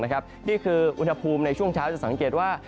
นี่คืออุณหภูมิในช่วงเช้าจะสังเกตว่า